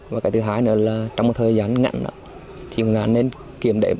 và cái thứ hai nữa là trong một thời gian ngặn đó thì công an nên kiểm tra